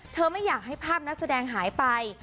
ไม่อยากให้ภาพนักแสดงหายไป